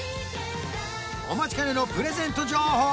お待ちかねのプレゼント情報